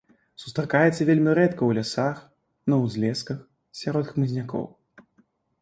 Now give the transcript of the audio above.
Сустракаецца вельмі рэдка ў лясах, на ўзлесках, сярод хмызнякоў.